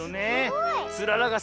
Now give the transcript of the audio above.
えすごい。